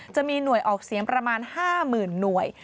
จะมีหน่วยออกเสียงประมาณ๕๐๐๐หน่วย